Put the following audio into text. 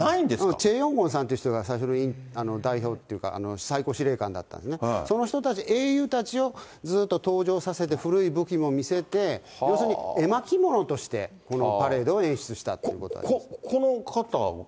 チェ・ヨンホンさんという人が最初の代表というか、最高司令官だったんですね、その人たち、英雄たちをずっと登場させて古い武器を見せて、要するに絵巻物としてこのパレードを演出したということなんですこの方？